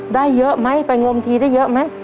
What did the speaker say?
ได้เยอะไหมไปงมทีได้เยอะไหม